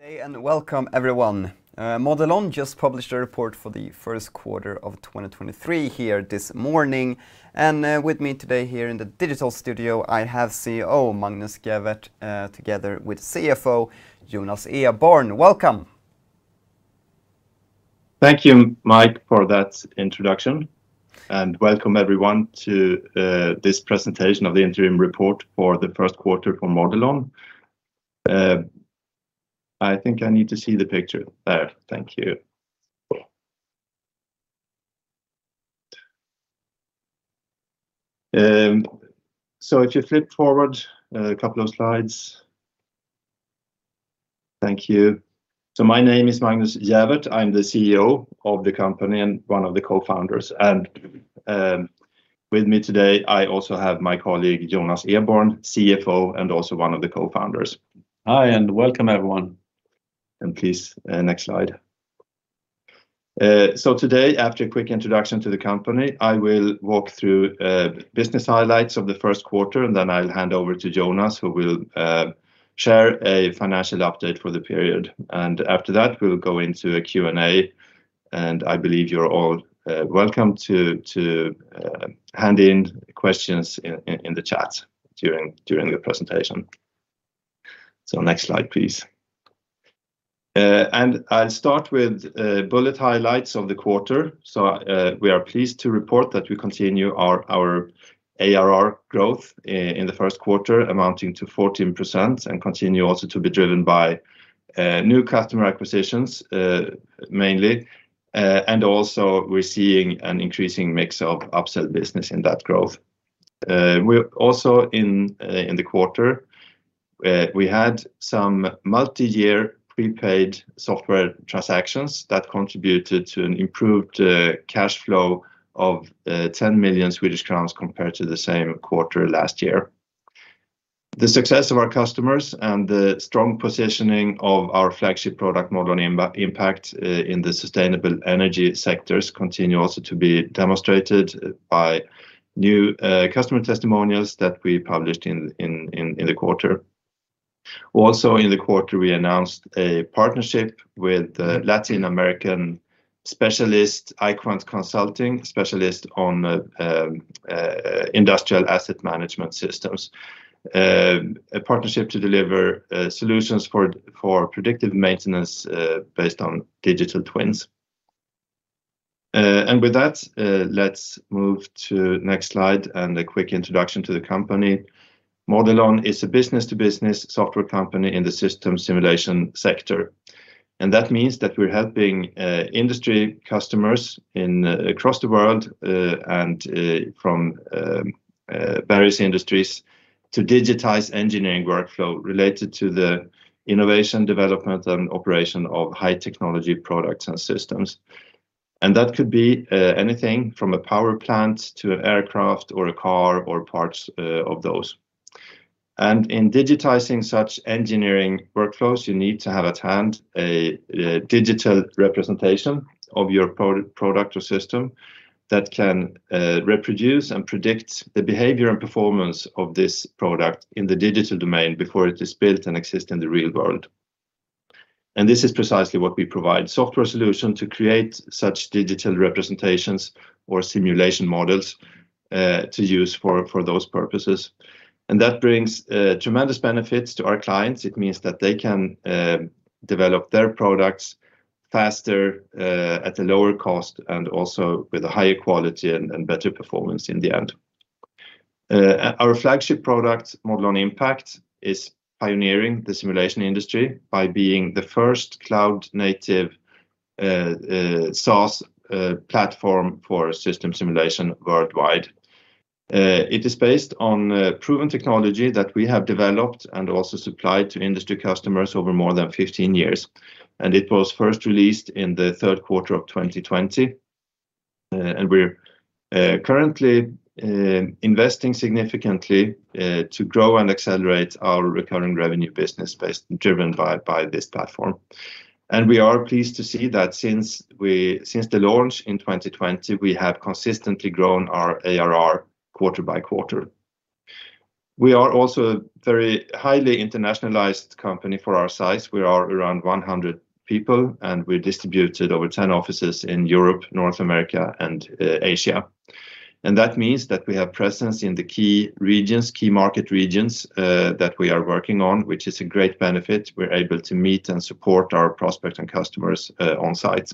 Welcome everyone. Modelon just published a report for the first quarter of 2023 here this morning. With me today here in the digital studio, I have CEO Magnus Gäfvert, together with CFO Jonas Eborn. Welcome. Thank you, Mike, for that introduction. Welcome everyone to this presentation of the interim report for the first quarter for Modelon. I think I need to see the picture. There, thank you. If you flip forward a couple of slides. Thank you. My name is Magnus Gäfvert. I'm the CEO of the company and one of the cofounders. With me today, I also have my colleague, Jonas Eborn, CFO, and also one of the cofounders. Hi, welcome everyone. Please, next slide. Today, after a quick introduction to the company, I will walk through business highlights of the first quarter. Then I'll hand over to Jonas, who will share a financial update for the period. After that, we'll go into a Q&A. I believe you're all welcome to hand in questions in the chat during the presentation. Next slide, please. I'll start with bullet highlights of the quarter. We are pleased to report that we continue our ARR growth in the first quarter amounting to 14% and continue also to be driven by new customer acquisitions, mainly. Also we're seeing an increasing mix of upsell business in that growth. We're also in the quarter, we had some multiyear prepaid software transactions that contributed to an improved cash flow of 10 million Swedish crowns compared to the same quarter last year. The success of our customers and the strong positioning of our flagship product, Modelon Impact, in the sustainable energy sectors continue also to be demonstrated by new customer testimonials that we published in the quarter. Also in the quarter, we announced a partnership with a Latin American specialist, Iquant Consulting, specialist on industrial asset management systems. A partnership to deliver solutions for predictive maintenance based on digital twins. With that, let's move to next slide and a quick introduction to the company. Modelon is a business-to-business software company in the system simulation sector. That means that we're helping industry customers across the world, and from various industries to digitize engineering workflow related to the innovation, development, and operation of high technology products and systems. That could be anything from a power plant to an aircraft or a car or parts of those. In digitizing such engineering workflows, you need to have at hand a digital representation of your product or system that can reproduce and predict the behavior and performance of this product in the digital domain before it is built and exist in the real world. This is precisely what we provide, software solution to create such digital representations or simulation models to use for those purposes. That brings tremendous benefits to our clients. It means that they can develop their products faster at a lower cost, and also with a higher quality and better performance in the end. Our flagship product, Modelon Impact, is pioneering the simulation industry by being the first cloud-native SaaS platform for system simulation worldwide. It is based on proven technology that we have developed and also supplied to industry customers over more than 15 years, and it was first released in the third quarter of 2020. We're currently investing significantly to grow and accelerate our recurring revenue business driven by this platform. We are pleased to see that since the launch in 2020, we have consistently grown our ARR quarter-by-quarter. We are also a very highly internationalized company for our size. We are around 100 people, we're distributed over 10 offices in Europe, North America, and Asia. That means that we have presence in the key regions, key market regions, that we are working on, which is a great benefit. We're able to meet and support our prospects and customers on sites.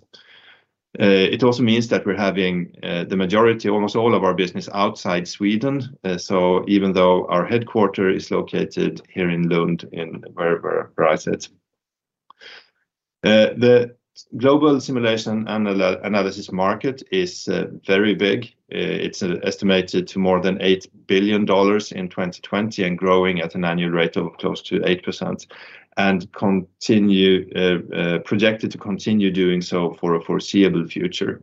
It also means that we're having the majority, almost all of our business outside Sweden, so even though our headquarter is located here in Lund, where I sit. The global simulation analysis market is very big. It's estimated to more than $8 billion in 2020 and growing at an annual rate of close to 8% and projected to continue doing so for a foreseeable future.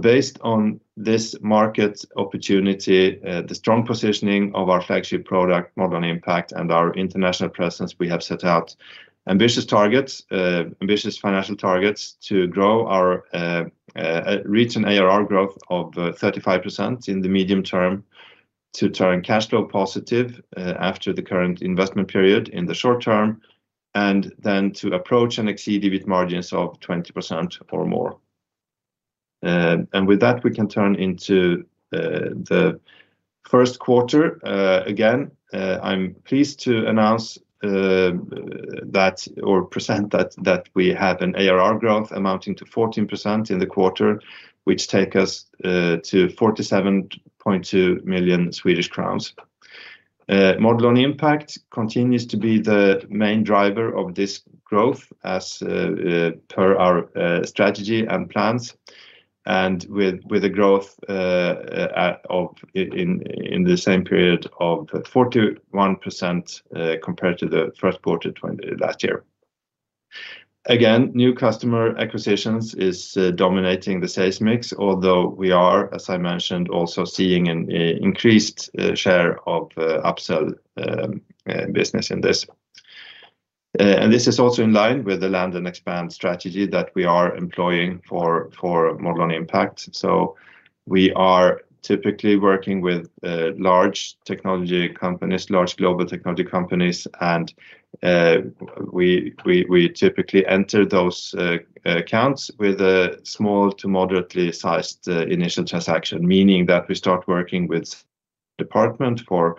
Based on this market opportunity, the strong positioning of our flagship product, Modelon Impact, and our international presence, we have set out ambitious targets, ambitious financial targets to grow our reach an ARR growth of 35% in the medium term. To turn cash flow positive after the current investment period in the short term and then to approach and exceed EBIT margins of 20% or more. And with that, we can turn into the first quarter. Again, I'm pleased to announce that or present that we have an ARR growth amounting to 14% in the quarter which take us to 47.2 million Swedish crowns. Modelon Impact continues to be the main driver of this growth as per our strategy and plans and with the growth in the same period of 41% compared to the first quarter last year. Again, new customer acquisitions is dominating the sales mix, although we are, as I mentioned, also seeing an increased share of upsell business in this. This is also in line with the land and expand strategy that we are employing for Modelon Impact. We are typically working with large technology companies, large global technology companies, and we typically enter those accounts with a small to moderately sized initial transaction. Meaning that we start working with department for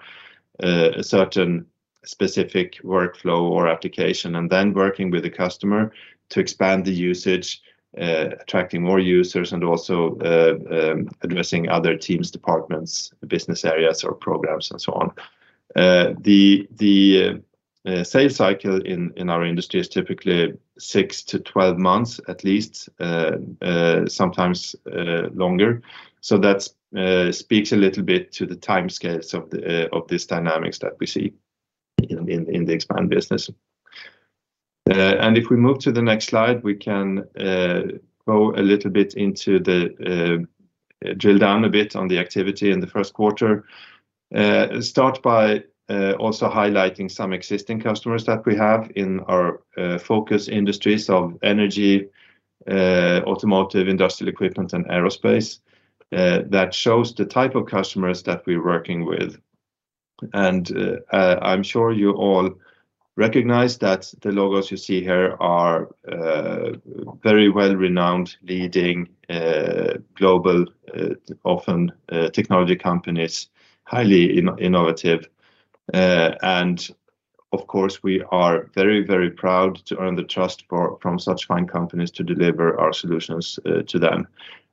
a certain specific workflow or application, and then working with the customer to expand the usage, attracting more users and also addressing other teams, departments, business areas or programs and so on. The sales cycle in our industry is typically 6 to 12 months at least, sometimes longer. That speaks a little bit to the timescales of this dynamics that we see in the expand business. If we move to the next slide, we can go a little bit into drill down a bit on the activity in the first quarter. Start by also highlighting some existing customers that we have in our focus industries of energy, automotive, industrial equipment, and aerospace. That shows the type of customers that we're working with. I'm sure you all recognize that the logos you see here are very well-renowned, leading global, often technology companies, highly innovative. Of course, we are very, very proud to earn the trust from such fine companies to deliver our solutions to them.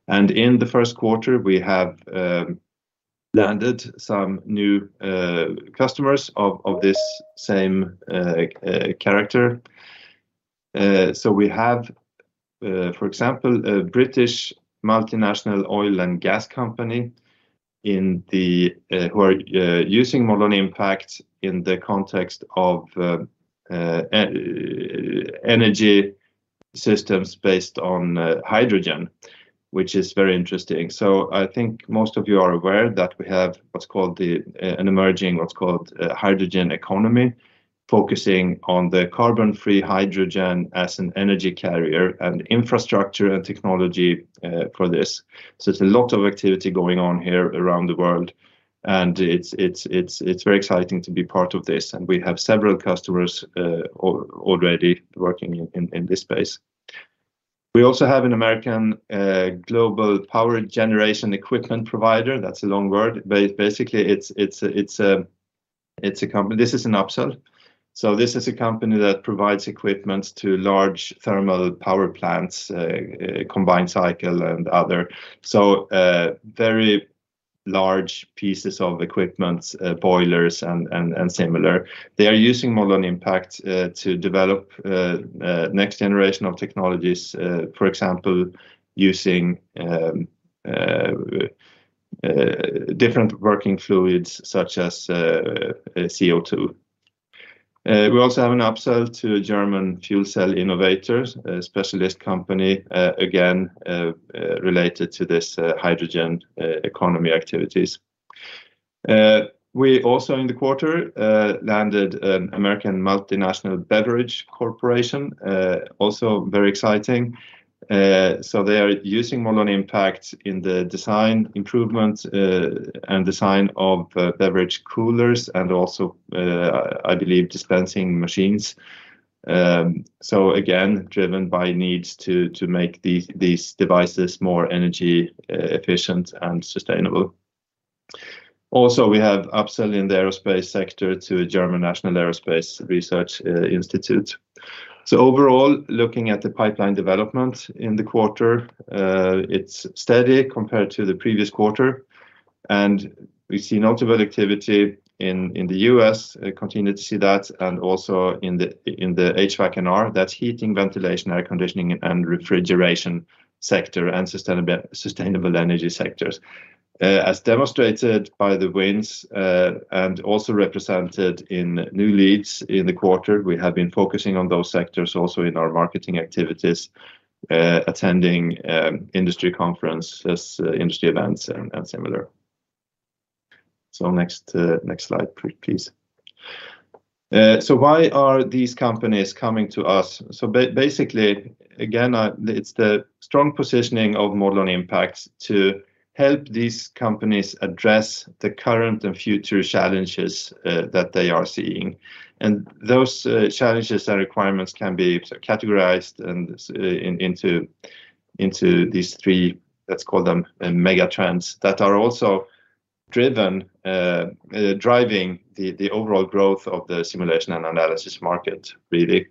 In the first quarter, we have landed some new customers of this same character. We have, for example, a British multinational oil and gas company in the who are using Modelon Impact in the context of energy systems based on hydrogen which is very interesting. I think most of you are aware that we have what's called an emerging what's called a hydrogen economy, focusing on the carbon-free hydrogen as an energy carrier and infrastructure and technology for this. It's a lot of activity going on here around the world. It's very exciting to be part of this. We have several customers already working in this space. We also have an American global power generation equipment provider. That's a long word. Basically, it's a company. This is an upsell. This is a company that provides equipment to large thermal power plants, combined cycle and other. Very large pieces of equipment, boilers and similar. They are using Modelon Impact to develop next generation of technologies, for example, using different working fluids such as CO2. We also have an upsell to a German fuel cell innovator, a specialist company, again, related to this hydrogen economy activities. We in the quarter landed an American multinational beverage corporation, very exciting. They are using Modelon Impact in the design improvements and design of beverage coolers and also, I believe dispensing machines. Again, driven by needs to make these devices more energy efficient and sustainable. We have upsell in the aerospace sector to a German National Aerospace Research Institute. Overall, looking at the pipeline development in the quarter, it's steady compared to the previous quarter, and we see notable activity in the U.S., continue to see that, and also in the HVAC&R, that's heating, ventilation, air conditioning, and refrigeration sector and sustainable energy sectors. As demonstrated by the wins, and also represented in new leads in the quarter, we have been focusing on those sectors also in our marketing activities, attending industry conferences, industry events, and similar. Next, next slide, please. Why are these companies coming to us? Basically, again, it's the strong positioning of Modelon Impact to help these companies address the current and future challenges that they are seeing. Those challenges and requirements can be categorized into these three, let's call them mega trends, that are also driven, driving the overall growth of the simulation and analysis market, really.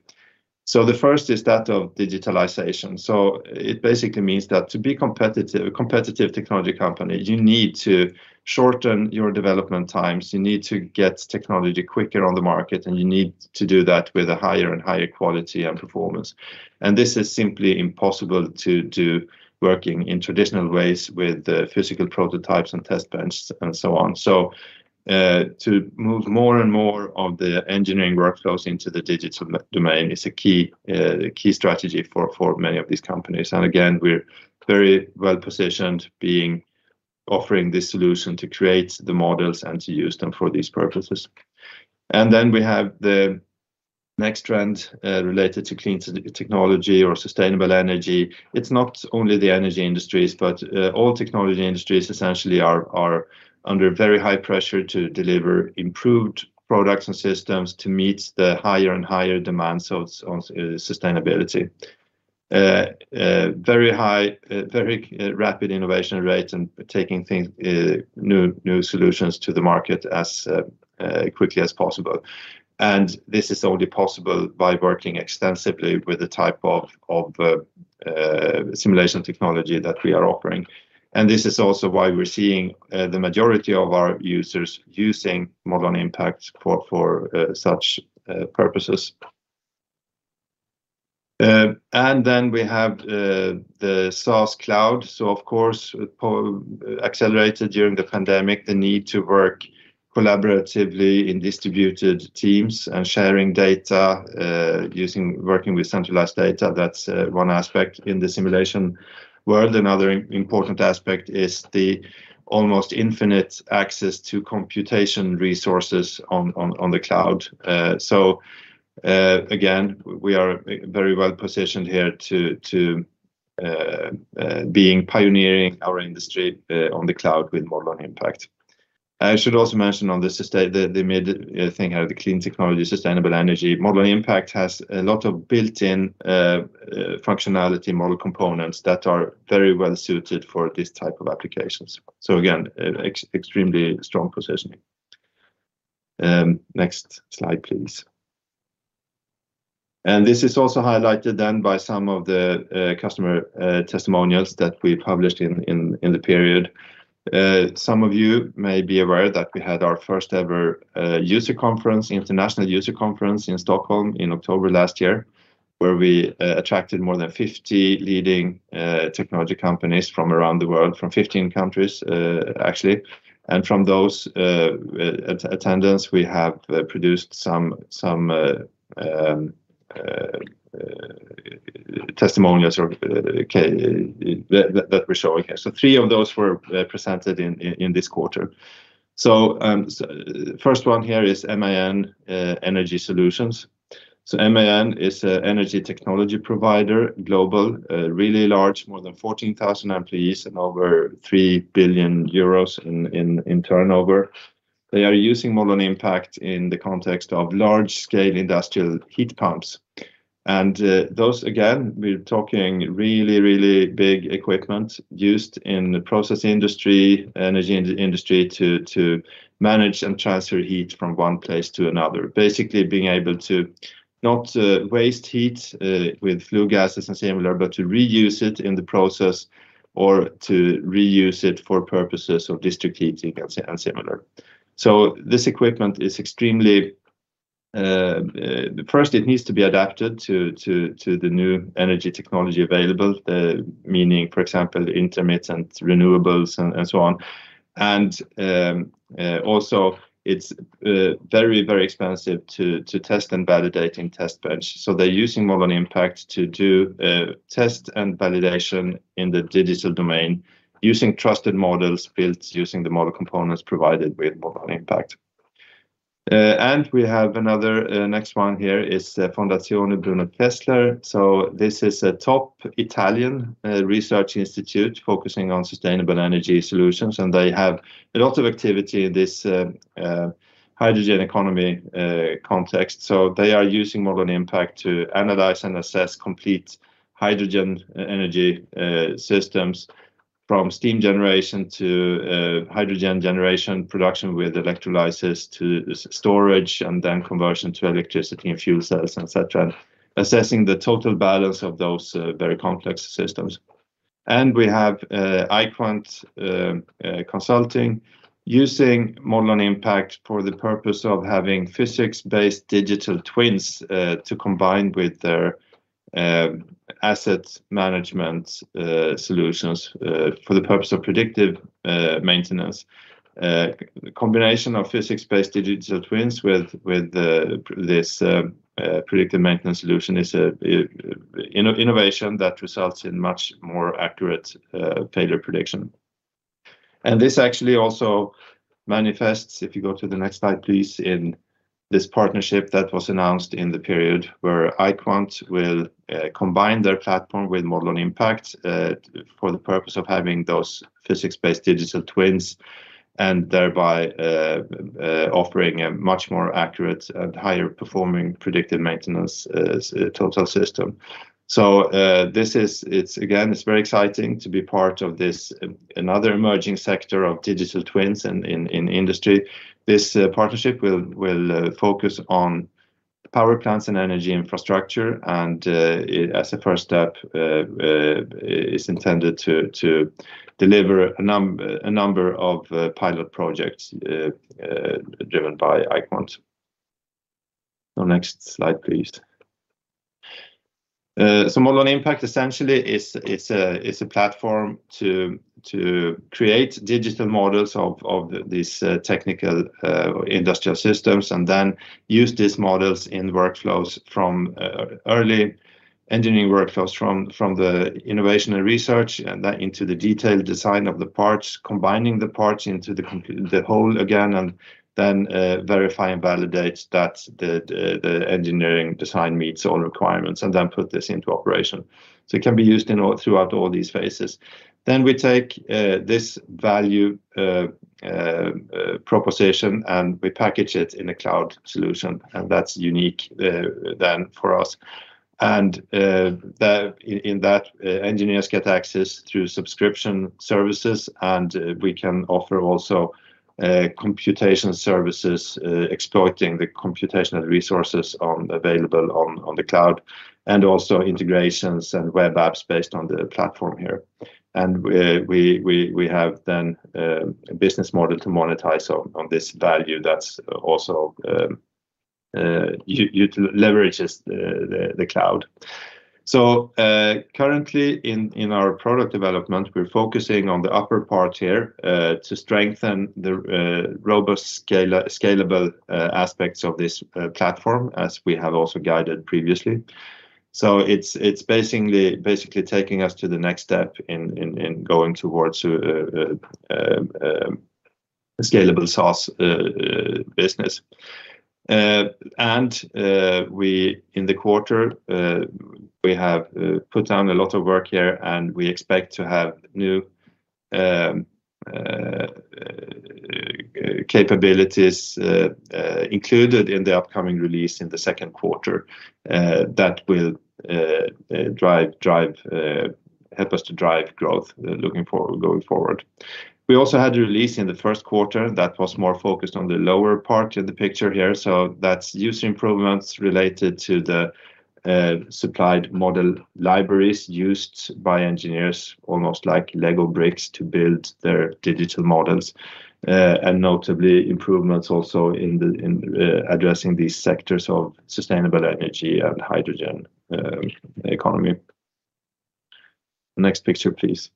The first is that of digitalization. It basically means that to be competitive, a competitive technology company, you need to shorten your development times. You need to get technology quicker on the market, and you need to do that with a higher and higher quality and performance. This is simply impossible to do working in traditional ways with physical prototypes and test bench and so on. To move more and more of the engineering workflows into the digital domain is a key strategy for many of these companies. Again, we're very well positioned being offering this solution to create the models and to use them for these purposes. We have the next trend related to clean technology or sustainable energy. It's not only the energy industries, but all technology industries essentially are under very high pressure to deliver improved products and systems to meet the higher and higher demands of sustainability. Very high, very rapid innovation rates and taking things, new solutions to the market as quickly as possible. This is only possible by working extensively with the type of simulation technology that we are offering. This is also why we're seeing the majority of our users using Modelon Impact for such purposes. We have the SaaS cloud. Of course, accelerated during the pandemic, the need to work collaboratively in distributed teams and sharing data, working with centralized data. That's one aspect in the simulation world. Another important aspect is the almost infinite access to computation resources on the cloud. Again, we are very well positioned here to being pioneering our industry on the cloud with Modelon Impact. I should also mention on this, the mid thing, the clean technology, sustainable energy, Modelon Impact has a lot of built-in functionality model components that are very well suited for this type of applications. Again, extremely strong positioning. Next slide, please. This is also highlighted then by some of the customer testimonials that we published in the period. Some of you may be aware that we had our first ever user conference, international user conference in Stockholm in October last year, where we attracted more than 50 leading technology companies from around the world, from 15 countries actually. From those attendance, we have produced some testimonials that we're showing here. Three of those were presented in this quarter. First one here is MAN Energy Solutions. MAN is an energy technology provider, global, really large, more than 14,000 employees and over 3 billion euros in turnover. They are using Modelon Impact in the context of large scale industrial heat pumps. Those, again, we're talking really, really big equipment used in the process industry, energy industry to manage and transfer heat from one place to another. Basically being able to not waste heat with flue gases and similar, but to reuse it in the process or to reuse it for purposes of district heating and similar. This equipment is extremely, first it needs to be adapted to the new energy technology available, meaning for example, intermittent renewables and so on. Also it's very, very expensive to test and validate in test bench. They're using Modelon Impact to do test and validation in the digital domain using trusted models built using the model components provided with Modelon Impact. We have another next one here is Fondazione Bruno Kessler. This is a top Italian research institute focusing on sustainable energy solutions. They have a lot of activity in this hydrogen economy context. They are using Modelon Impact to analyze and assess complete hydrogen energy systems from steam generation to hydrogen generation production with electrolysis to storage and then conversion to electricity and fuel cells, et cetera. Assessing the total balance of those very complex systems. We have Iquant Consulting using Modelon Impact for the purpose of having physics-based digital twins to combine with their asset management solutions for the purpose of predictive maintenance. Combination of physics-based digital twins with this predictive maintenance solution is an innovation that results in much more accurate failure prediction. This actually also manifests, if you go to the next slide, please, in this partnership that was announced in the period where Iquant will combine their platform with Modelon Impact for the purpose of having those physics-based digital twins and thereby offering a much more accurate and higher performing predictive maintenance total system. It's again, it's very exciting to be part of this another emerging sector of digital twins in industry. This partnership will focus on power plants and energy infrastructure. As a first step, is intended to deliver a number of pilot projects driven by Iquant. Next slide, please. Modelon Impact essentially is a platform to create digital models of these technical industrial systems, and then use these models in workflows from early engineering workflows from the innovation and research, and then into the detailed design of the parts, combining the parts into the whole again, and then verify and validate that the engineering design meets all requirements, and then put this into operation. It can be used throughout all these phases. We take this value proposition, and we package it in a cloud solution, and that's unique then for us. In that, engineers get access through subscription services, and we can offer also computation services, exploiting the computational resources available on the cloud, and also integrations and web apps based on the platform here. We have then a business model to monetize on this value that's also leverages the cloud. Currently in our product development, we're focusing on the upper part here to strengthen the robust scalable aspects of this platform as we have also guided previously. It's basically taking us to the next step in going towards a scalable SaaS business. In the quarter, we have put down a lot of work here. We expect to have new capabilities included in the upcoming release in the second quarter that will help us to drive growth going forward. We also had a release in the first quarter that was more focused on the lower part of the picture here. That's user improvements related to the supplied model libraries used by engineers, almost like Lego bricks, to build their digital models, and notably improvements also in addressing these sectors of sustainable energy and hydrogen economy. Next picture, please.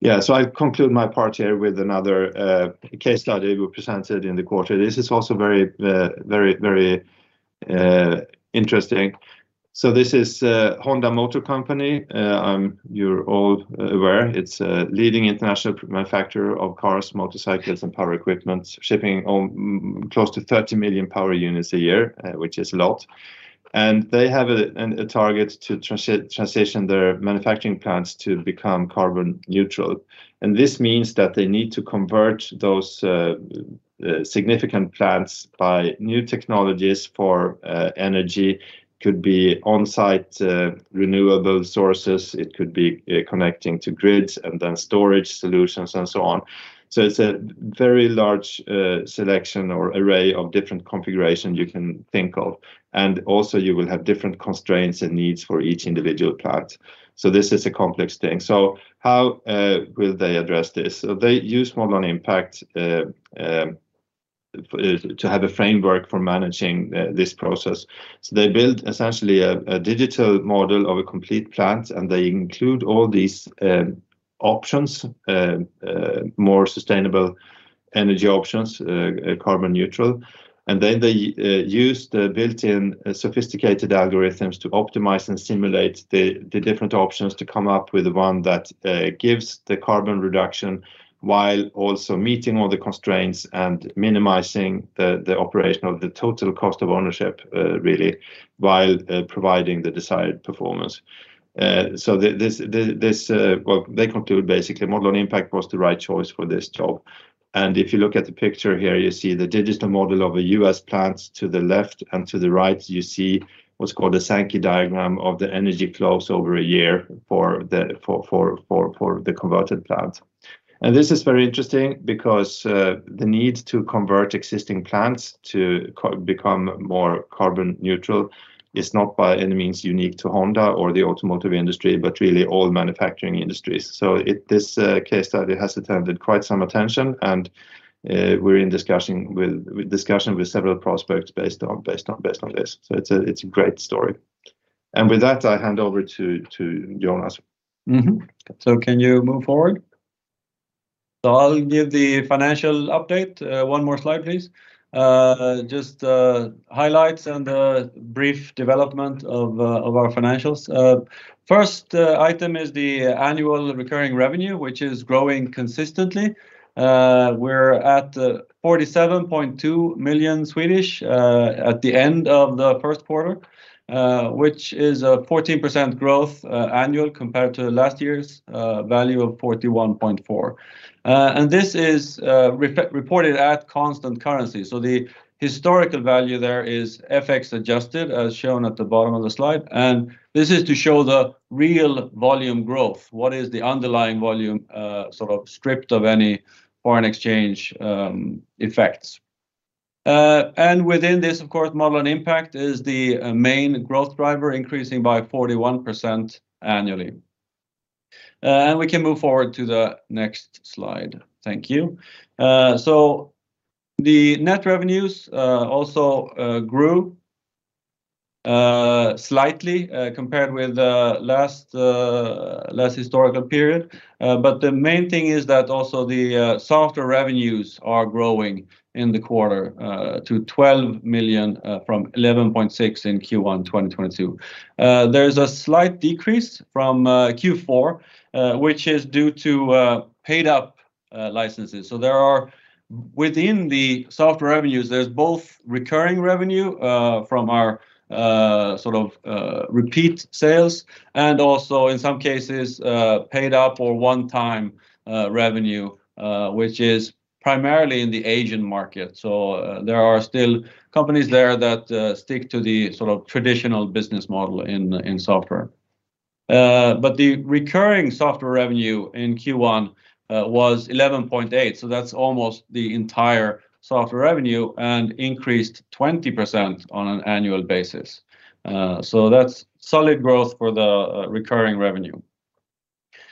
Yeah. I conclude my part here with another case study we presented in the quarter. This is also very interesting. This is Honda Motor Company. You're all aware. It's a leading international manufacturer of cars, motorcycles, and power equipment, shipping on close to 30 million power units a year, which is a lot. They have a target to transition their manufacturing plants to become carbon neutral. This means that they need to convert those significant plants by new technologies for energy. Could be on-site renewable sources. It could be connecting to grids and then storage solutions and so on. It's a very large selection or array of different configurations you can think of. Also you will have different constraints and needs for each individual plant. This is a complex thing. How will they address this? They use Modelon Impact to have a framework for managing this process. They build essentially a digital model of a complete plant, and they include all these options, more sustainable energy options, carbon neutral. They use the built-in sophisticated algorithms to optimize and simulate the different options to come up with one that gives the carbon reduction while also meeting all the constraints and minimizing the operational, the total cost of ownership, really, while providing the desired performance. This, they conclude basically Modelon Impact was the right choice for this job. If you look at the picture here, you see the digital model of a U.S. plant to the left and to the right, you see what's called a Sankey diagram of the energy flows over a year for the converted plant. This is very interesting because the need to convert existing plants to become more carbon neutral is not by any means unique to Honda or the automotive industry, but really all manufacturing industries. This case study has attracted quite some attention, and we're in discussion with several prospects based on this. It's a, it's a great story. With that, I hand over to Jonas. Mm-hmm. Can you move forward? I'll give the financial update. One more slide, please. Just highlights and a brief development of our financials. First item is the annual recurring revenue, which is growing consistently. We're at 47.2 million at the end of the first quarter, which is a 14% growth annual compared to last year's value of 41.4 million. And this is reported at constant currency. The historical value there is FX adjusted, as shown at the bottom of the slide. And this is to show the real volume growth. What is the underlying volume, sort of stripped of any foreign exchange effects. And within this, of course, Modelon Impact is the main growth driver, increasing by 41% annually. We can move forward to the next slide. Thank you. The net revenues also grew slightly compared with the last historical period. The main thing is that also the software revenues are growing in the quarter to 12 million from 11.6 in Q1 2022. There's a slight decrease from Q4, which is due to paid-up licenses. There are, within the software revenues, there's both recurring revenue from our sort of repeat sales and also in some cases paid-up or one-time revenue, which is primarily in the Asian market. There are still companies there that stick to the sort of traditional business model in software. The recurring software revenue in Q1 was 11.8, so that's almost the entire software revenue, and increased 20% on an annual basis. That's solid growth for the recurring revenue.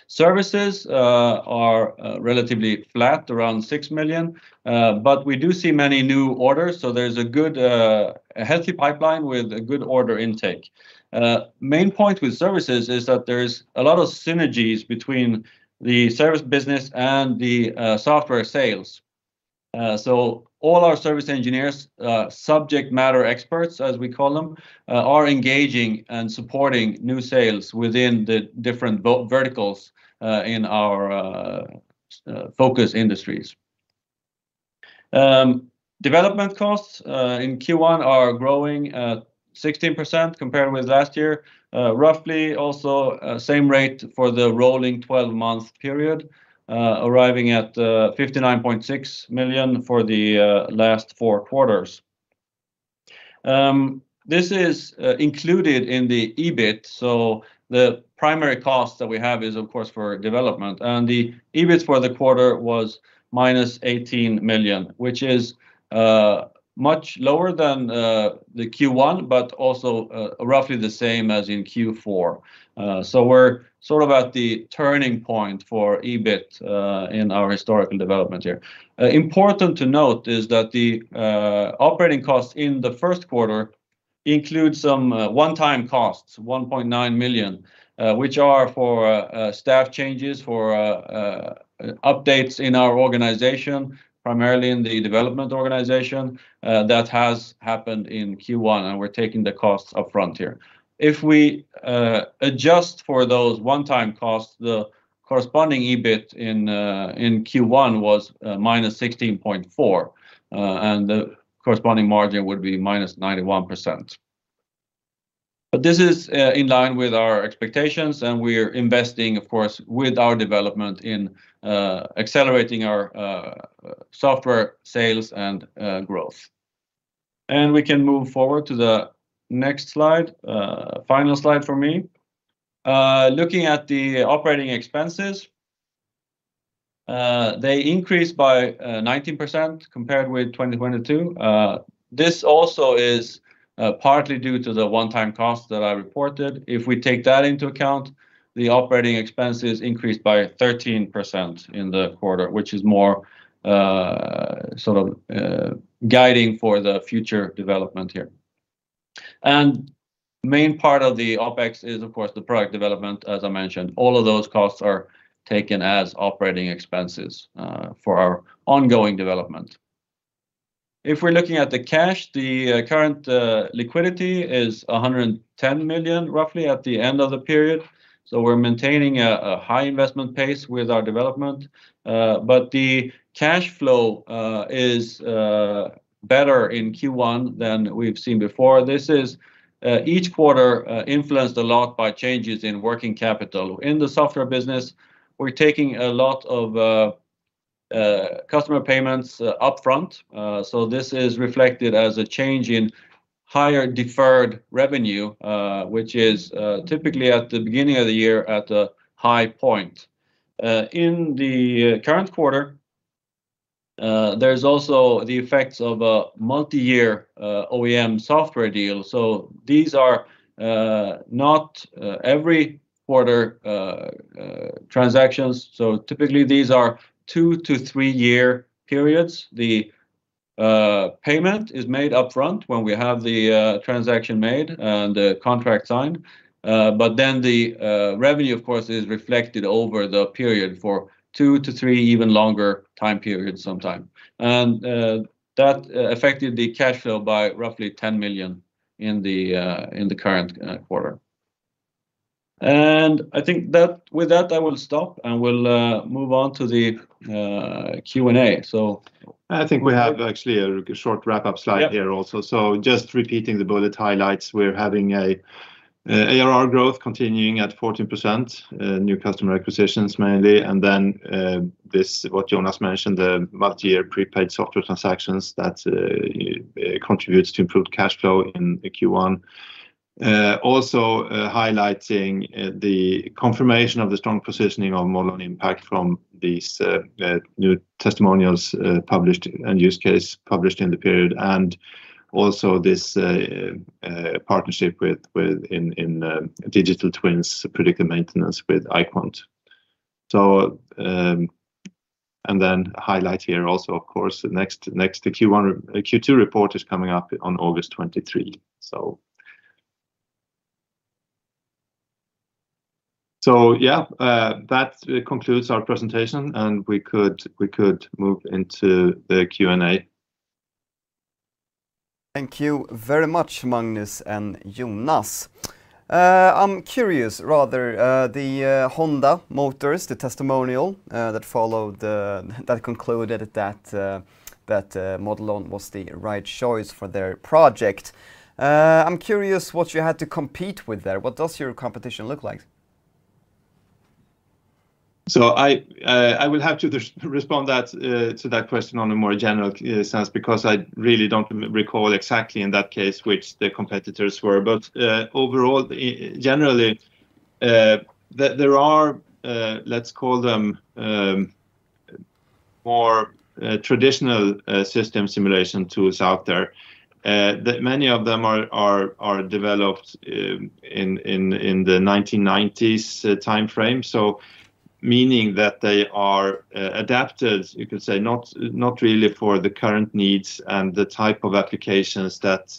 Services are relatively flat, around 6 million, we do see many new orders, there's a good, a healthy pipeline with a good order intake. Main point with services is that there is a lot of synergies between the service business and the software sales. All our service engineers, subject matter experts, as we call them, are engaging and supporting new sales within the different verticals, in our focus industries. Development costs in Q1 are growing at 16% compared with last year. Roughly also, same rate for the rolling-12-month period, arriving at 59.6 million for the last four quarters. This is included in the EBIT. The primary cost that we have is, of course, for development. The EBIT for the quarter was -18 million, which is much lower than the Q1, also roughly the same as in Q4. We're sort of at the turning point for EBIT in our historical development here. Important to note is that the operating costs in the first quarter include some one-time costs, 1.9 million, which are for staff changes, for updates in our organization, primarily in the development organization, that has happened in Q1, we're taking the costs up front here. If we adjust for those one-time costs, the corresponding EBIT in Q1 was -16.4, and the corresponding margin would be -91%. This is in line with our expectations, and we're investing, of course, with our development in accelerating our software sales and growth. We can move forward to the next slide. Final slide from me. Looking at the operating expenses, they increased by 19% compared with 2022. This also is partly due to the one-time cost that I reported. If we take that into account, the operating expenses increased by 13% in the quarter, which is more sort of guiding for the future development here. Main part of the OpEx is, of course, the product development, as I mentioned. All of those costs are taken as OpEx for our ongoing development. If we're looking at the cash, the current liquidity is 110 million, roughly, at the end of the period. We're maintaining a high investment pace with our development. The cash flow is better in Q1 than we've seen before. This is each quarter influenced a lot by changes in working capital. In the software business, we're taking a lot of customer payments upfront. This is reflected as a change in higher deferred revenue, which is typically at the beginning of the year at a high point. In the current quarter, there's also the effects of a multiyear OEM software deal. These are not every-quarter transactions. Typically, these are 2 to 3-year periods. The payment is made upfront when we have the transaction made and the contract signed. Then the revenue of course is reflected over the period for 2 to 3 even longer time periods sometime. That affected the cash flow by roughly 10 million in the current quarter. I think that, with that I will stop, and we'll move on to the Q&A. I think we have actually a short wrap up slide here also. Yep. Just repeating the bullet highlights. We're having ARR growth continuing at 14%, new customer acquisitions mainly, and then this, what Jonas mentioned, the multi-year prepaid software transactions that contributes to improved cash flow in the Q1. Also highlighting the confirmation of the strong positioning of Modelon Impact from these new testimonials published and use case published in the period, and also this partnership with digital twins predictive maintenance with Iquant. Highlight here also of course next to Q1 Q2 report is coming up on August 23. That concludes our presentation, and we could move into the Q&A. Thank you very much, Magnus and Jonas. I'm curious rather, the Honda Motors, the testimonial that followed, that concluded that Modelon was the right choice for their project. I'm curious what you had to compete with there. What does your competition look like? I will have to respond that to that question on a more general sense, because I really don't recall exactly in that case which the competitors were. Overall, generally, there are, let's call them, more traditional system simulation tools out there. Many of them are developed in the 1990s timeframe, so meaning that they are adapted, you could say, not really for the current needs and the type of applications that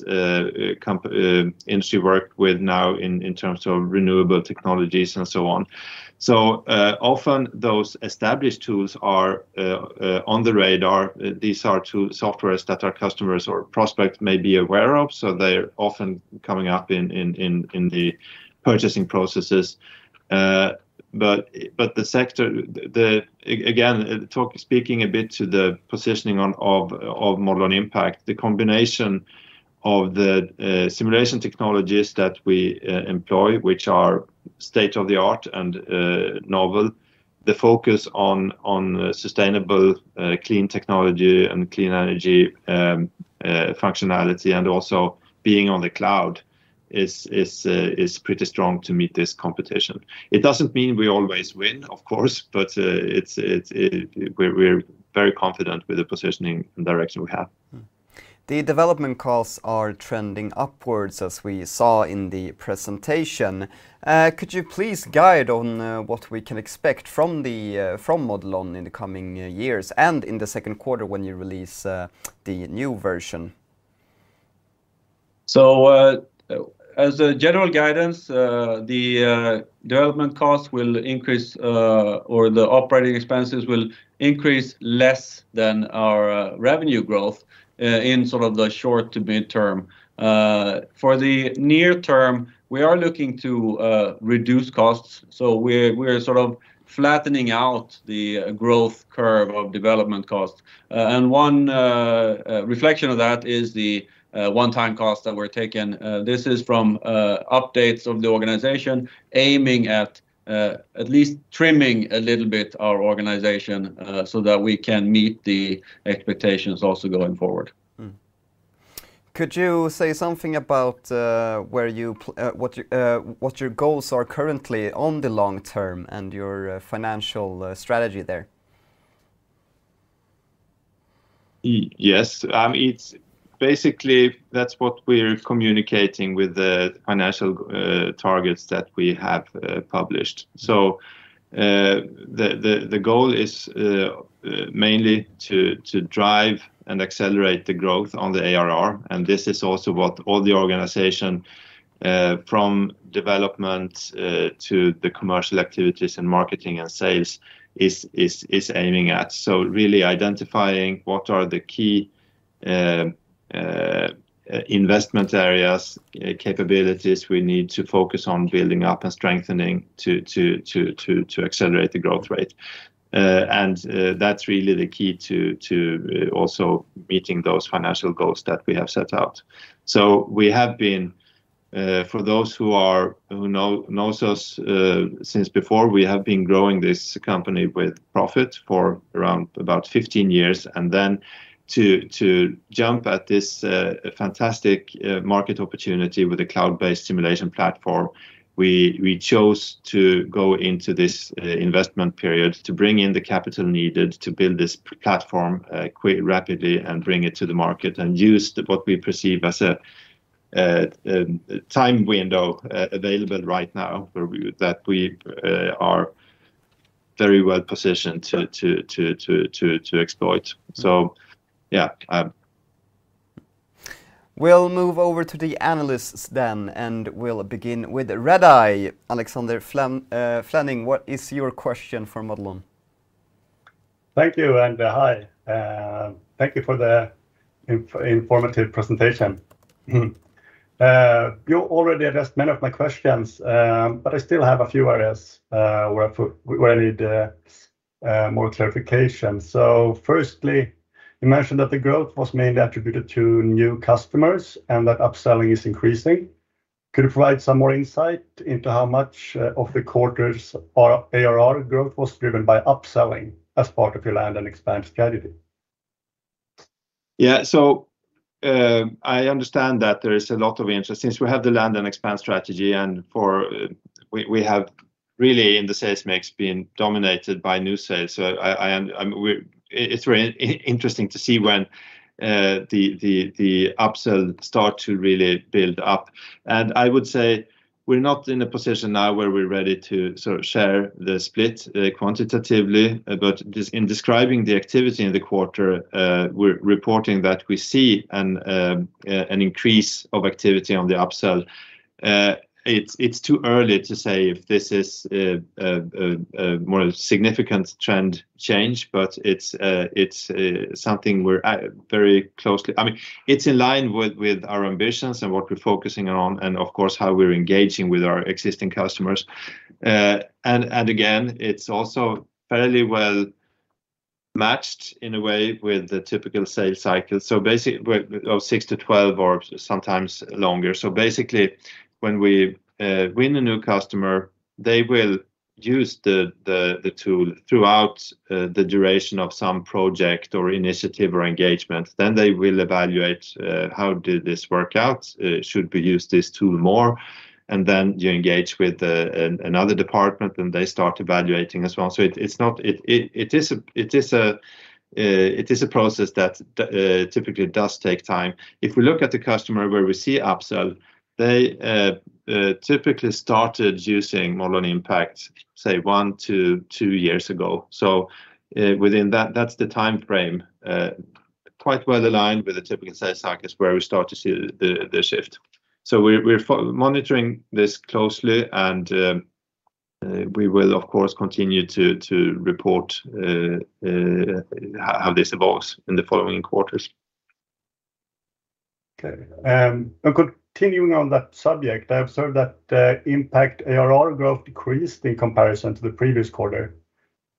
industry work with now in terms of renewable technologies and so on. Often those established tools are on the radar. These are tool softwares that our customers or prospect may be aware of. They're often coming up in the purchasing processes. The sector, again, speaking a bit to the positioning of Modelon Impact, the combination of the simulation technologies that we employ, which are state-of-the-art and novel, the focus on sustainable clean technology and clean energy functionality, and also being on the cloud is pretty strong to meet this competition. It doesn't mean we always win, of course, but we're very confident with the positioning and direction we have. The development costs are trending upwards, as we saw in the presentation. Could you please guide on what we can expect from Modelon in the coming years, and in the second quarter when you release the new version? As a general guidance, the development costs will increase, or the operating expenses will increase less than our revenue growth, in sort of the short to mid term. For the near term, we are looking to reduce costs, so we're sort of flattening out the growth curve of development costs. One reflection of that is the one-time costs that were taken. This is from updates of the organization aiming at at least trimming a little bit our organization, so that we can meet the expectations also going forward. Could you say something about where you what your goals are currently on the long term and your financial strategy there? Yes. It's basically that's what we're communicating with the financial targets that we have published. The goal is mainly to drive and accelerate the growth on the ARR, and this is also what all the organization from development to the commercial activities and marketing and sales is aiming at. Really identifying what are the key investment areas, capabilities we need to focus on building up and strengthening to accelerate the growth rate. That's really the key to also meeting those financial goals that we have set out. We have been, for those who are, who knows us, since before, we have been growing this company with profit for around about 15 years, and then to jump at this fantastic market opportunity with a cloud-based simulation platform, we chose to go into this investment period to bring in the capital needed to build this platform quite rapidly and bring it to the market and use the, what we perceive as a time window available right now where we, that we, Very well positioned to exploit. Yeah. We'll move over to the analysts then, and we'll begin with Redeye. Alexander Fleming, what is your question for Modelon? Thank you, and hi. Thank you for the informative presentation. You already addressed many of my questions, but I still have a few areas where I need more clarification. Firstly, you mentioned that the growth was mainly attributed to new customers and that upselling is increasing. Could you provide some more insight into how much of the quarter's ARR growth was driven by upselling as part of your land and expand strategy? Yeah, I understand that there is a lot of interest since we have the land and expand strategy and for, we have really in the sales mix been dominated by new sales. I'm, It's very interesting to see when the upsell start to really build up. I would say we're not in a position now where we're ready to sort of share the split, quantitatively, but in describing the activity in the quarter, we're reporting that we see an increase of activity on the upsell. It's too early to say if this is a more significant trend change, but it's something we're at very closely. I mean, it's in line with our ambitions and what we're focusing on and of course how we're engaging with our existing customers. Again, it's also fairly well matched in a way with the typical sales cycle. Well, of 6-12 or sometimes longer. Basically, when we win a new customer, they will use the tool throughout the duration of some project or initiative or engagement. They will evaluate how did this work out, should we use this tool more, and then you engage with another department and they start evaluating as well. It is a process that typically does take time. If we look at the customer where we see upsell, they typically started using Modelon Impact, say, one to two years ago. Within that's the timeframe, quite well aligned with the typical sales cycle is where we start to see the shift. We're monitoring this closely, and we will of course continue to report how this evolves in the following quarters. Okay. Continuing on that subject, I observed that Impact ARR growth decreased in comparison to the previous quarter.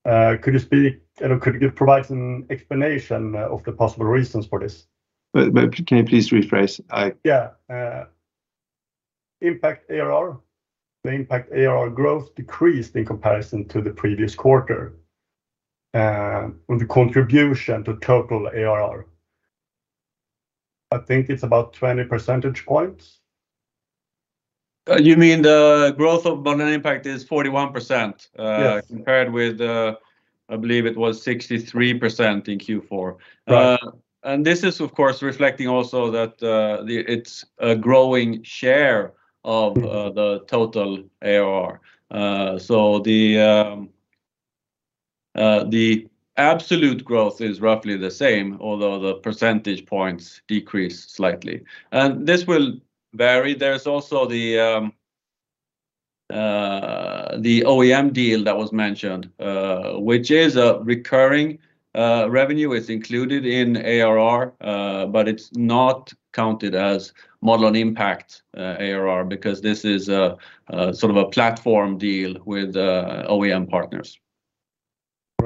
You know, could you provide an explanation of the possible reasons for this? Can you please rephrase? Yeah. Impact ARR, the Impact ARR growth decreased in comparison to the previous quarter, with the contribution to total ARR. I think it's about 20 percentage points. You mean the growth of Modelon Impact is 41%? Yes... compared with, I believe it was 63% in Q4. Right. This is of course reflecting also that, the, it's a growing share of- Mm the total ARR. So the absolute growth is roughly the same, although the percentage points decrease slightly. This will vary. There's also the OEM deal that was mentioned, which is a recurring revenue. It's included in ARR, but it's not counted as Modelon Impact ARR because this is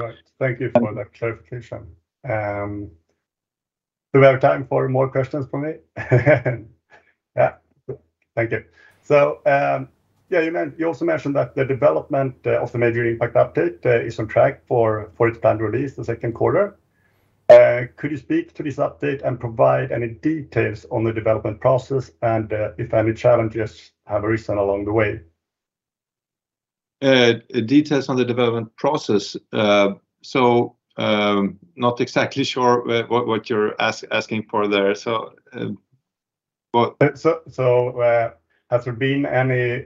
a sort of a platform deal with OEM partners. Right. Thank you for that clarification. Do we have time for more questions from me? Thank you. You also mentioned that the development of the major Impact update is on track for its planned release the second quarter. Could you speak to this update and provide any details on the development process and if any challenges have arisen along the way? Details on the development process. Not exactly sure what you're asking for there. What? Has there been any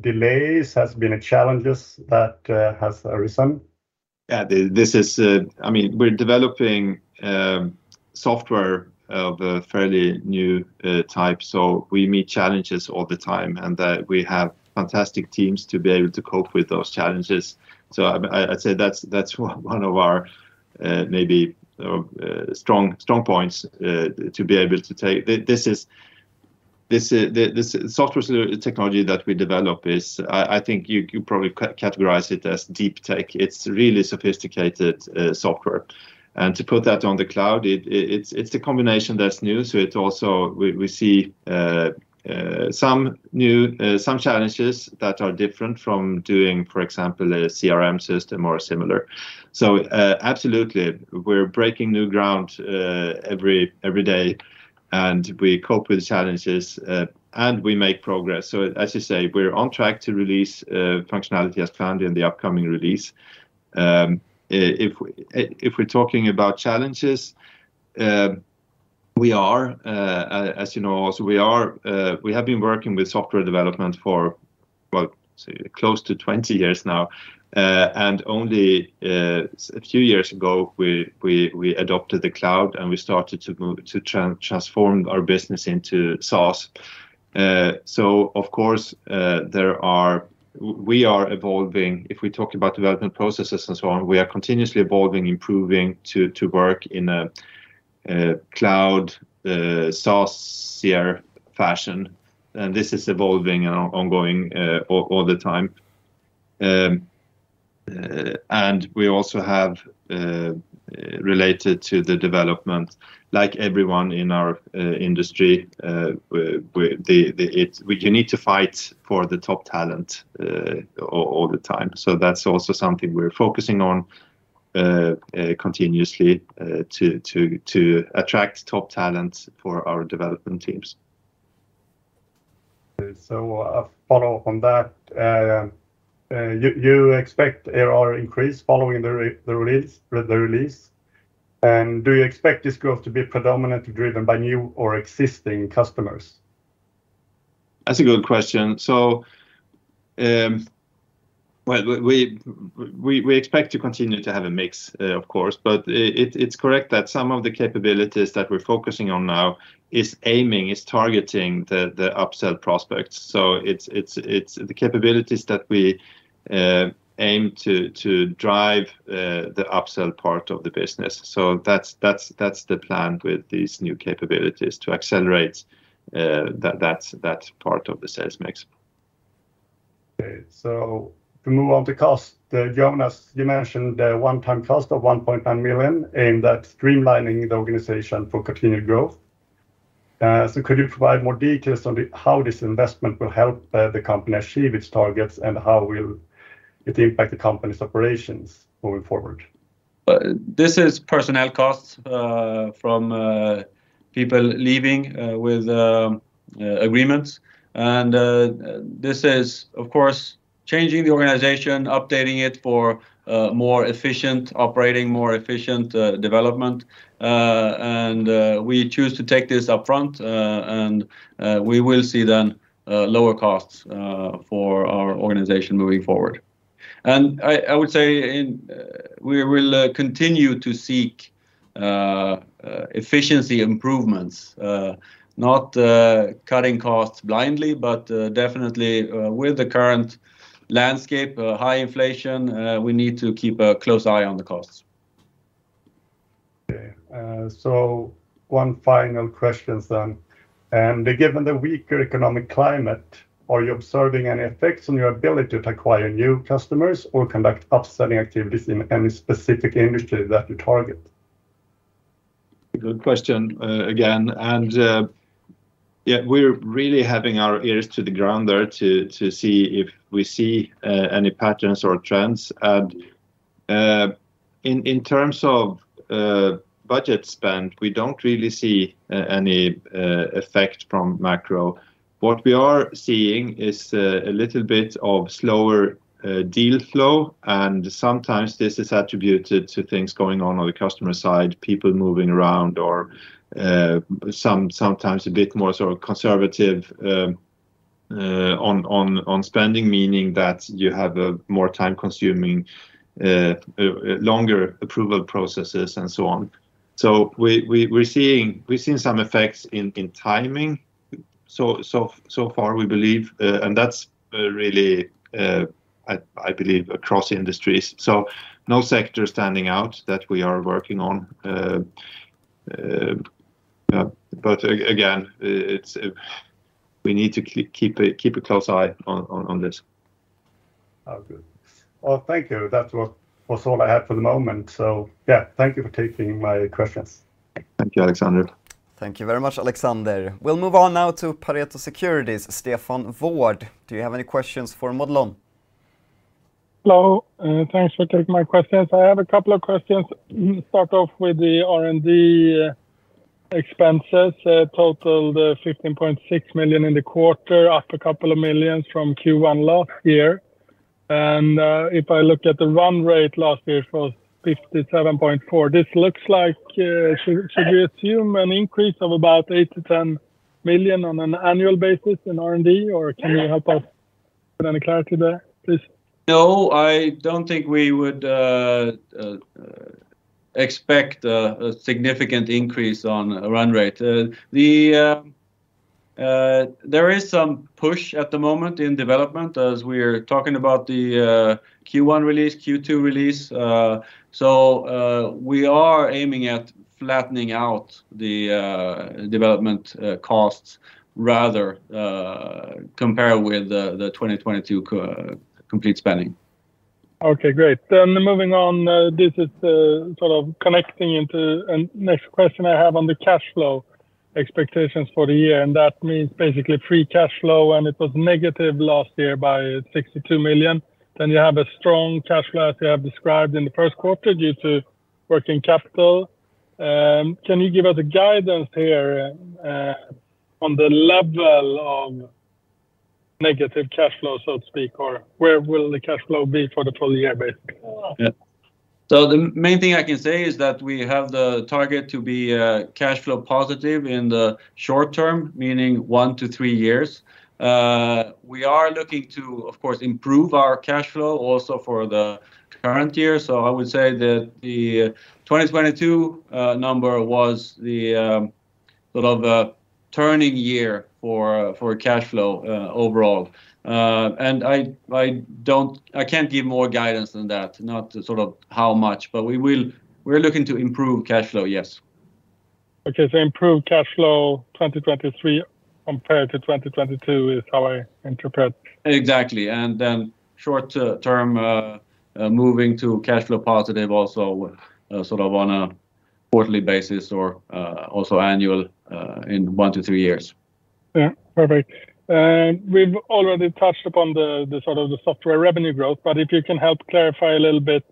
delays? Has been challenges that has arisen? Yeah. This is, I mean, we're developing software of a fairly new type, so we meet challenges all the time, and we have fantastic teams to be able to cope with those challenges. I'd say that's one of our maybe strong points to be able to take. This is this technology that we develop is, I think you probably categorize it as deep tech. It's really sophisticated software. To put that on the cloud, it's the combination that's new. It also, we see some new challenges that are different from doing, for example, a CRM system or similar. Absolutely, we're breaking new ground every day, and we cope with challenges and we make progress. As you say, we're on track to release functionality as planned in the upcoming release. If we're talking about challenges, we are, as you know also, we have been working with software development for about say close to 20 years now. Only a few years ago we adopted the cloud, and we started to transform our business into SaaS. Of course, we are evolving. If we talk about development processes and so on, we are continuously evolving, improving to work in a cloud, SaaSer fashion. This is evolving and ongoing all the time. We also have, related to the development, like everyone in our industry, we. You need to fight for the top talent, all the time. That's also something we're focusing on, continuously, to attract top talent for our development teams. A follow-up on that. You expect ARR increase following the release? Do you expect this growth to be predominantly driven by new or existing customers? That's a good question. Well, we expect to continue to have a mix, of course. It's correct that some of the capabilities that we're focusing on now is aiming, is targeting the upsell prospects. It's the capabilities that we aim to drive the upsell part of the business. That's the plan with these new capabilities to accelerate that part of the sales mix. Okay. To move on to cost, Jonas, you mentioned a one-time cost of 1.9 million in that streamlining the organization for continued growth. Could you provide more details on how this investment will help the company achieve its targets, and how will it impact the company's operations moving forward? This is personnel costs from people leaving with agreements. This is, of course, changing the organization, updating it for more efficient operating, more efficient development. We choose to take this upfront. We will see then lower costs for our organization moving forward. I would say in we will continue to seek efficiency improvements, not cutting costs blindly, but definitely with the current landscape, high inflation, we need to keep a close eye on the costs. Okay. one final questions then. Given the weaker economic climate, are you observing any effects on your ability to acquire new customers or conduct upselling activities in any specific industry that you target? A good question again. Yeah, we're really having our ears to the ground there to see if we see any patterns or trends. In terms of budget spend, we don't really see any effect from macro. What we are seeing is a little bit of slower deal flow, and sometimes this is attributed to things going on on the customer side, people moving around or sometimes a bit more sort of conservative on spending, meaning that you have a more time-consuming, longer approval processes and so on. We're seeing, we've seen some effects in timing so far we believe, and that's really I believe across industries, so no sector standing out that we are working on. Again, it's, we need to keep a close eye on this. Oh, good. Well, thank you. That was all I had for the moment. Yeah, thank you for taking my questions. Thank you, Alexander. Thank you very much, Alexander. We'll move on now to Pareto Securities, Stefan Ward. Do you have any questions for Modelon? Hello, thanks for taking my questions. I have a couple of questions. Start off with the R&D expenses totaled 15.6 million in the quarter, up a couple of millions from Q1 last year. If I look at the run rate last year, it was 57.4 million. This looks like, should we assume an increase of about 8 million-10 million on an annual basis in R&D, or can you help us with any clarity there, please? No, I don't think we would expect a significant increase on run rate. There is some push at the moment in development as we're talking about the Q1 release, Q2 release. We are aiming at flattening out the development costs rather compare with the 2022 complete spending. Okay, great. Moving on, this is, sort of connecting into a next question I have on the cash flow expectations for the year, and that means basically free cash flow, and it was negative last year by 62 million. You have a strong cash flow, as you have described in the first quarter, due to working capital. Can you give us a guidance here on the level of negative cash flow, so to speak, or where will the cash flow be for the full year basically? The main thing I can say is that we have the target to be cash flow positive in the short term, meaning one to three years. We are looking to, of course, improve our cash flow also for the current year. I would say that the 2022 number was the sort of a turning year for cash flow overall. I can't give more guidance than that, not sort of how much, but we're looking to improve cash flow, yes. Okay. Improved cash flow 2023 compared to 2022 is how I interpret. Exactly. Then short-term, moving to cash flow positive also, sort of on a quarterly basis or also annual, in one to three years. Yeah. Perfect. We've already touched upon the sort of the software revenue growth, but if you can help clarify a little bit,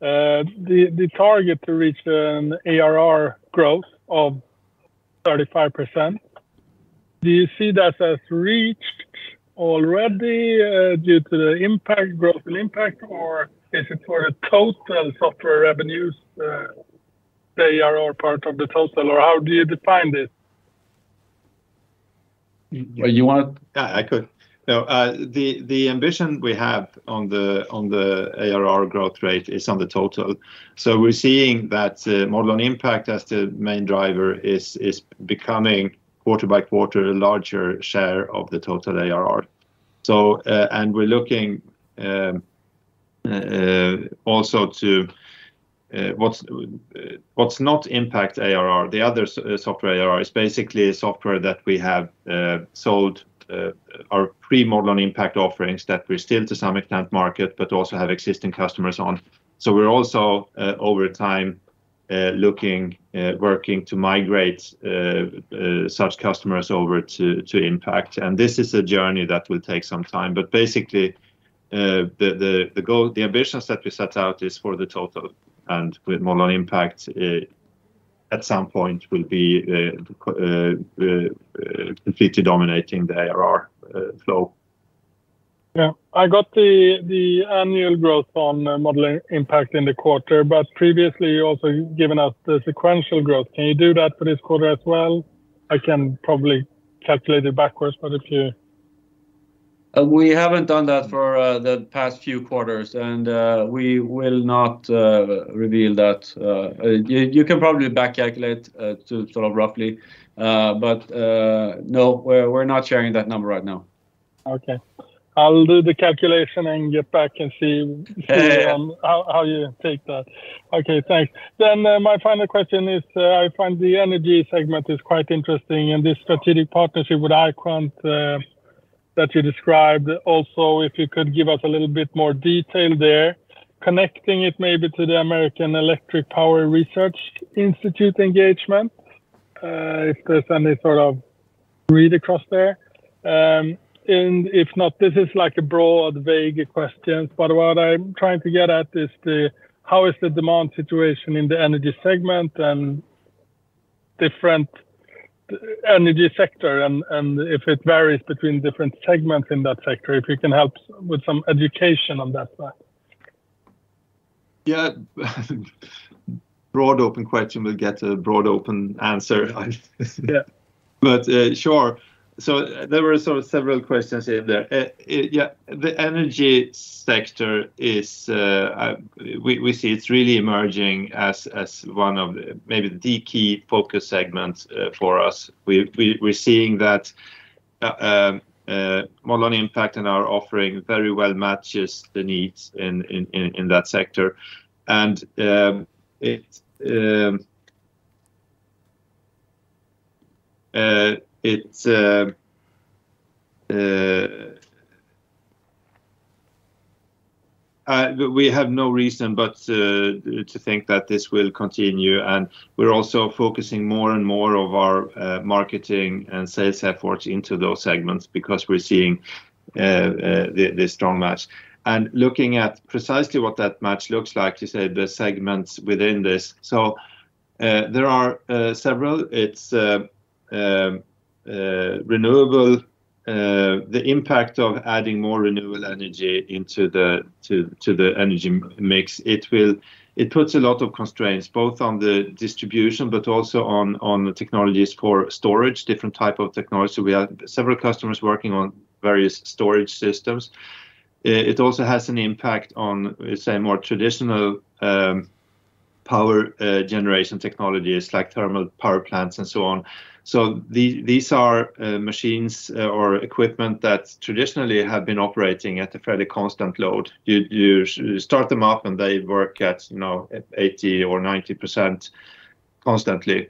the target to reach an ARR growth of 35%, do you see that as reached already, due to the Impact growth in Impact, or is it for a total software revenues, the ARR part of the total? Or how do you define this? Yeah, I could. No, the ambition we have on the ARR growth rate is on the total. We're seeing that Modelon Impact as the main driver is becoming quarter by quarter a larger share of the total ARR. And we're looking also to what's not Impact ARR, the other software ARR is basically software that we have sold our pre-Modelon Impact offerings that we still to some extent market, but also have existing customers on. We're also over time looking working to migrate such customers over to Impact. This is a journey that will take some time. Basically, the goal, the ambitions that we set out is for the total. With Modelon Impact, at some point will be completely dominating the ARR flow. Yeah. I got the annual growth on Modelon Impact in the quarter, but previously you also given us the sequential growth. Can you do that for this quarter as well? I can probably calculate it backwards, but if you... We haven't done that for the past few quarters, and we will not reveal that. You can probably back calculate to sort of roughly. No, we're not sharing that number right now. I'll do the calculation and get back and see... Yeah... see on how you take that. Okay, thanks. My final question is, I find the energy segment is quite interesting, and this strategic partnership with Iquant that you described also, if you could give us a little bit more detail there, connecting it maybe to the Electric Power Research Institute engagement, if there's any sort of read across there. If not, this is like a broad, vague question, but what I'm trying to get at is the how is the demand situation in the energy segment and different energy sector and if it varies between different segments in that sector? If you can help with some education on that part. Yeah. Broad open question will get a broad open answer. Yeah. Sure. There were sort of several questions in there. Yeah, the energy sector is, we see it's really emerging as one of the, maybe the key focus segments for us. We're seeing that Modelon Impact and our offering very well matches the needs in that sector. We have no reason but to think that this will continue, and we're also focusing more and more of our marketing and sales efforts into those segments because we're seeing the strong match. Looking at precisely what that match looks like, you said the segments within this. There are several. It's renewable, the impact of adding more renewable energy into the energy mix. It puts a lot of constraints both on the distribution but also on the technologies for storage, different type of technology. We have several customers working on various storage systems. It also has an impact on, say more traditional power generation technologies like thermal power plants and so on. These are machines or equipment that traditionally have been operating at a fairly constant load. You start them up and they work at, you know, at 80% or 90% constantly.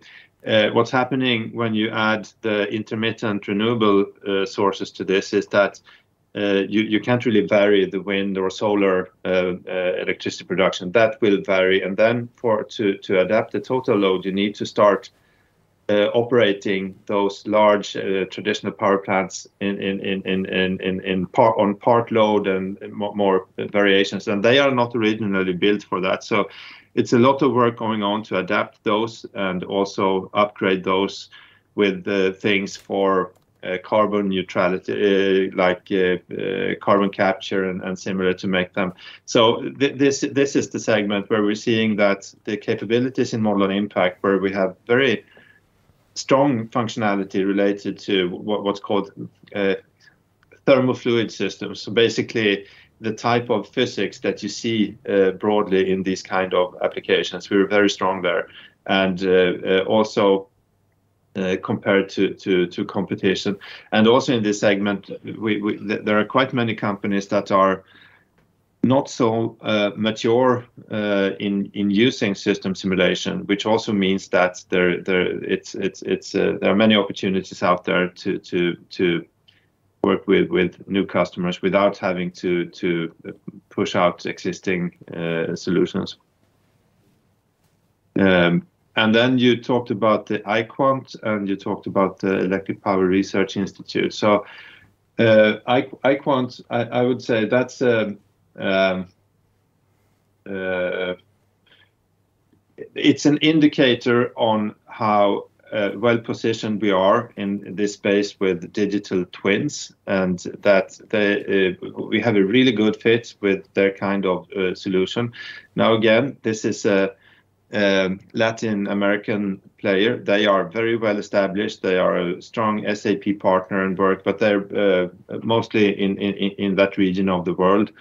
What's happening when you add the intermittent renewable sources to this is that you can't really vary the wind or solar electricity production. That will vary. Then for, to adapt the total load, you need to start operating those large, traditional power plants on part load and more variations, and they are not originally built for that. It's a lot of work going on to adapt those and also upgrade those with the things for carbon neutrality, like carbon capture and similar to make them. This is the segment where we're seeing that the capabilities in Modelon Impact, where we have very strong functionality related to what's called thermal fluid systems, so basically the type of physics that you see broadly in these kind of applications. We're very strong there, and also compared to competition. Also in this segment, we. There are quite many companies that are not so mature in using system simulation, which also means that there are many opportunities out there to work with new customers without having to push out existing solutions. You talked about the Iquant and you talked about the Electric Power Research Institute. Iquant, I would say that's an indicator on how well-positioned we are in this space with digital twins and that they, we have a really good fit with their kind of solution. Now, again, this is a Latin American player. They are very well established. They are a strong SAP partner and work, but they're mostly in that region of the world.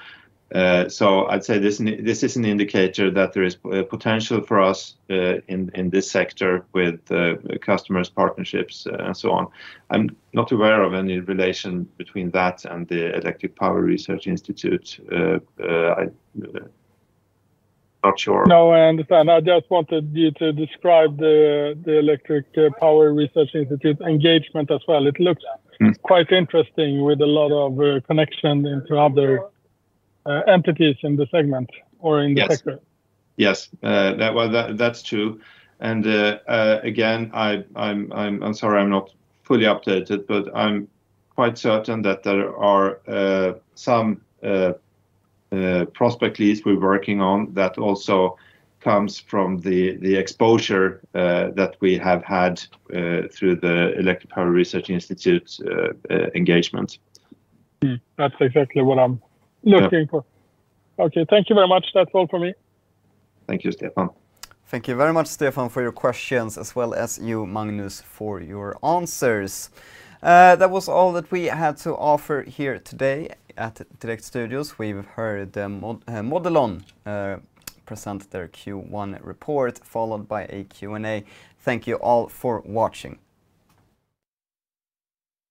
I'd say this is an indicator that there is potential for us in this sector with customers, partnerships, and so on. I'm not aware of any relation between that and the Electric Power Research Institute. Not sure. No, I understand. I just wanted you to describe the Electric Power Research Institute engagement as well. Mm quite interesting with a lot of connection into other entities in the segment or in the sector. Yes. Yes. Well, that's true, again, I'm sorry I'm not fully updated. I'm quite certain that there are some prospect leads we're working on that also comes from the exposure that we have had through the Electric Power Research Institute engagement. That's exactly what I'm looking for. Yeah. Okay, thank you very much. That's all for me. Thank you, Stefan. Thank you very much, Stefan, for your questions, as well as you, Magnus, for your answers. That was all that we had to offer here today at Direkt Studios. We've heard, Modelon, present their Q1 report, followed by a Q&A. Thank you all for watching